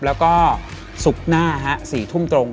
แล้วก็ศุกร์หน้า๔ทุ่มตรง